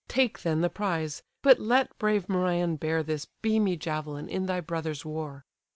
Take then the prize, but let brave Merion bear This beamy javelin in thy brother's war."